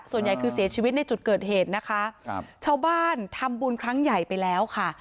ส่วนใหญ่คือเสียชีวิตในจุดเกิดเหตุนะคะครับชาวบ้านทำบุญครั้งใหญ่ไปแล้วค่ะ